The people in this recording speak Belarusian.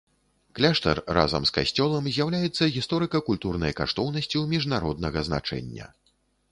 Кляштар разам з касцёлам з'яўляецца гісторыка-культурнай каштоўнасцю міжнароднага значэння.